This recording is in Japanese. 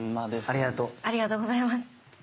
ありがとうございます。